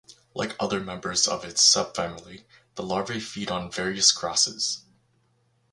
Like other members of its subfamily, the larvae feed on various grasses.